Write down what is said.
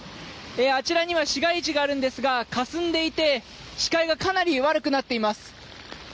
あちらには市街地があるんですがかすんでいて視界がかなり悪くなっています。